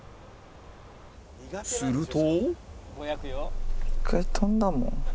すると